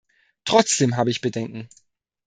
Trotzdem habe ich Bedenken.